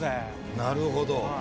なるほど。